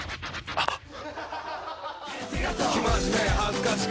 あっ！